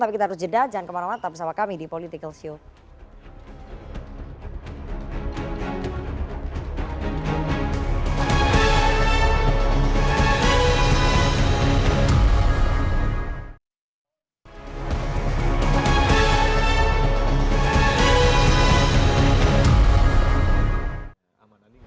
tapi kita harus jeda jangan kemana mana tetap bersama kami di political show